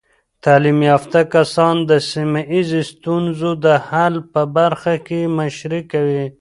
تعلیم یافته کسان د سیمه ایزې ستونزو د حل په برخه کې مشري کوي.